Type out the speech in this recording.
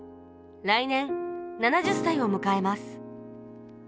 来年７０歳を迎えます